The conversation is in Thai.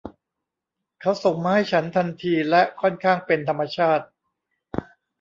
เขาส่งมาให้ฉันทันทีและค่อนข้างเป็นธรรมชาติ